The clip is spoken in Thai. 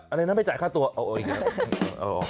อะไรนะไม่จ่ายค่าตัวเอาอีกแล้ว